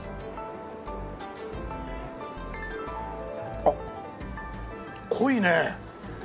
あっ濃いね。